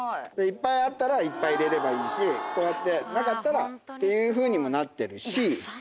いっぱいあったらいっぱい入れればいいしこうやってなかったらっていうふうにもなってるし。